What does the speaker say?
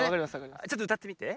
ちょっとうたってみて。